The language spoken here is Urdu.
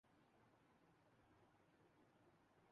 ہاشم املہ نے ون ڈے کرکٹ میں رچی رچرڈسن کا ریکارڈ توڑ ڈالا